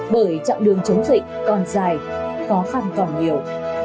bởi chặng đường chống dịch còn dài khó khăn còn nhiều